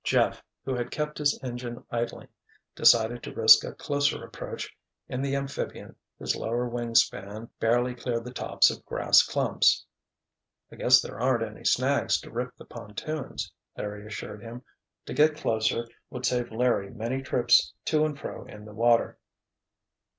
Jeff, who had kept his engine idling, decided to risk a closer approach in the amphibian whose lower wingspan barely cleared the tops of grass clumps. "I guess there aren't any snags to rip the pontoons," Larry assured him. To get closer would save Larry many trips to and fro in the water.